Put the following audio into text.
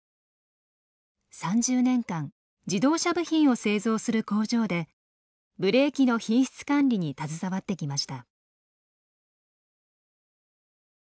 ３０年間自動車部品を製造する工場でブレーキの品質管理に携わってきました。